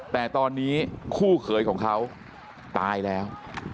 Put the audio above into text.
แต่ตอนนี้คู่เขยของเขาตายแล้ว